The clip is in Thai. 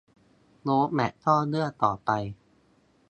โรดแมปก็เลื่อนต่อไป